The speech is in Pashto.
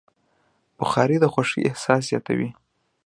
بخاري د خوښۍ احساس زیاتوي.